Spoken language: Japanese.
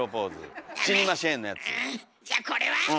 うんじゃあこれは？